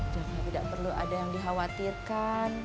jangan tidak perlu ada yang dikhawatirkan